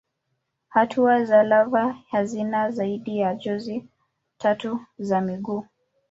Hatua za lava hazina zaidi ya jozi tatu za miguu.